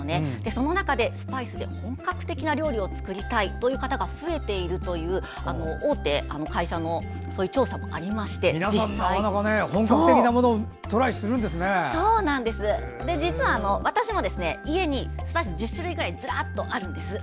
その中でスパイスを使って本格的な料理を作りたいという方が増えているという皆さん、なかなか実は私も家にスパイスが１０種類ぐらいずらっとあるんです。